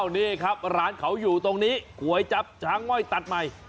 นี่ครับร้านเขาอยู่ตรงนี้ก๋วยจับช้างง่อยตัดใหม่